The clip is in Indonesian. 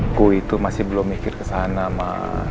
aku itu masih belum mikir kesana mah